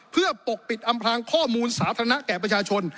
เพื่อปกปิดอำพลางข้อมูลสาธารณะแก่ประชาชน